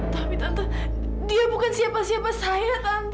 tapi tante dia bukan siapa siapa saya